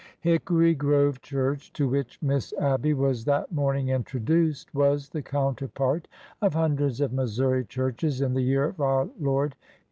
11 Hickory Grove church, to which Miss Abby was that morning introduced, was the counterpart of hundreds of Missouri churches in the year of our Lord 1859.